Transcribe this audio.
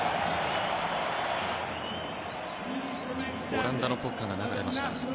オランダの国歌が流れました。